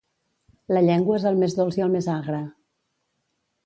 La llengua és el més dolç i el més agre.